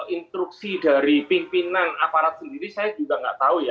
instruksi dari pimpinan aparat sendiri saya juga tidak tahu